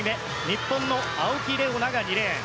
日本の青木玲緒樹が２レーン。